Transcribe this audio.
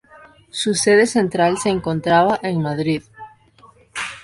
Su sede central se encontraba en Madrid.